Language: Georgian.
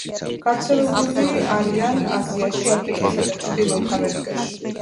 გავრცელებული არიან აზიაში, აფრიკასა და ჩრდილოეთ ამერიკაში.